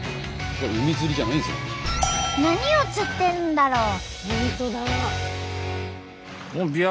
何を釣ってるんだろう？